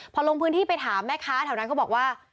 พอลงพื้นที่ไปถามแม่ค้าแถวนั้นเขาบอกว่า